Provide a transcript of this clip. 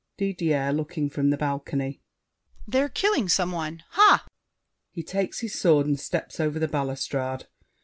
DIDIER (looking from the balcony). They're killing some one! Ha! [He takes his sword and step's over the balustrade.